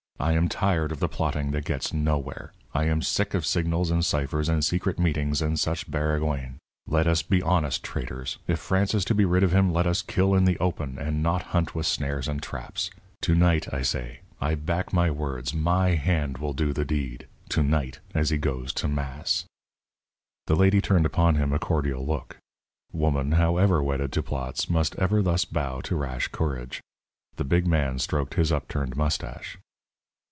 I am tired of the plotting that gets nowhere. I am sick of signals and ciphers and secret meetings and such baragouin. Let us be honest traitors. If France is to be rid of him, let us kill in the open, and not hunt with snares and traps. To night, I say. I back my words. My hand will do the deed. To night, as he goes to mass." The lady turned upon him a cordial look. Woman, however wedded to plots, must ever thus bow to rash courage. The big man stroked his upturned moustache.